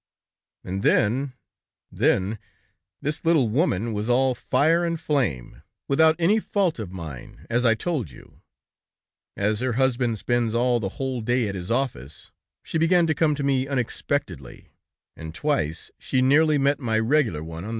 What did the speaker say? "And then ... Then, this little woman was all fire and flame, without any fault of mine, as I told you! As her husband spends all the whole day at his office, she began to come to me unexpectedly, and twice she nearly met my regular one on, the stairs."